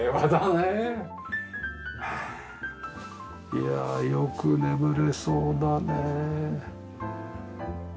いやあよく眠れそうだね。